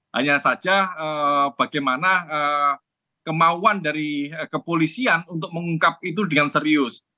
hanya saja bagaimana kemauan dari kepolisian untuk mengungkap itu dengan serius